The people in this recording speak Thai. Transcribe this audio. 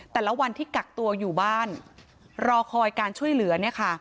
แต่ละวันที่กักตัวอยู่บ้านรอคอยการช่วยเหลือเนี่ยค่ะ